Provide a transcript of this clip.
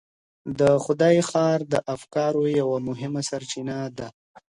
د خدای ښار کتاب د افکارو یوه مهمه سرچینه ده.